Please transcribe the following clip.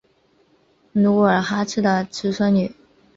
努尔哈赤的侄孙女。